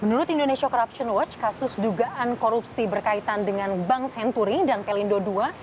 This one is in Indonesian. menurut indonesia corruption watch kasus dugaan korupsi berkaitan dengan bank senturi dan pelindo ii